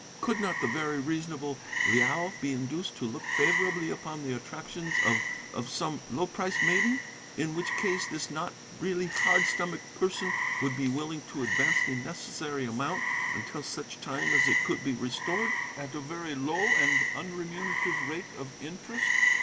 Could not the very reasonable Liao be induced to look favourably upon the attractions of some low priced maiden, in which case this not really hard stomached person would be willing to advance the necessary amount, until such time as it could be restored, at a very low and unremunerative rate of interest?